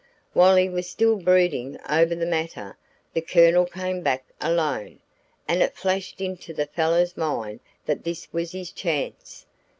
While he was still brooding over the matter, the Colonel came back alone, and it flashed into the fellow's mind that this was his chance.